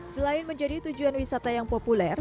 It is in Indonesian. selain menjadi tujuan wisata yang populer